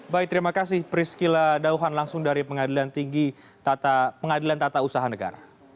baik terima kasih priscila dauhan langsung dari pengadilan tinggi pengadilan tata usaha negara